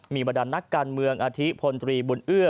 มีบรรดานนักการเมืองอาทิพลตรีบุญเอื้อ